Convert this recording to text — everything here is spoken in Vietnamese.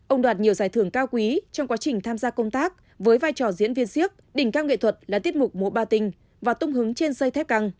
ông đoạt nhiều giải thưởng cao quý trong quá trình tham gia công tác với vai trò diễn viên siếc đỉnh cao nghệ thuật là tiết mục múa ba tinh và tung hứng trên dây thép căng